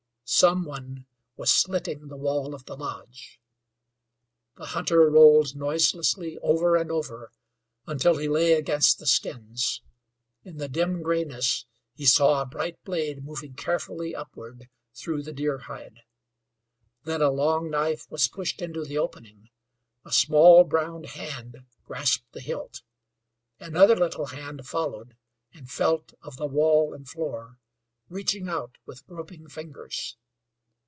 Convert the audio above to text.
Some one was slitting the wall of the lodge. The hunter rolled noiselessly over and over until he lay against the skins. In the dim grayness he saw a bright blade moving carefully upward through the deer hide. Then a long knife was pushed into the opening; a small, brown hand grasped the hilt. Another little hand followed and felt of the wall and floor, reaching out with groping fingers.